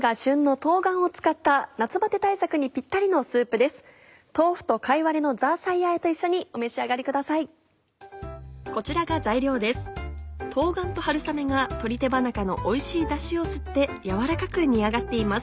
冬瓜と春雨が鶏手羽中のおいしいダシを吸って軟らかく煮上がっています。